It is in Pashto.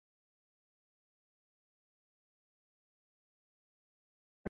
مالي بریا وخت او صبر غواړي.